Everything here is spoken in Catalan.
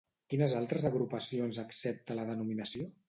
Quines altres agrupacions accepta la denominació?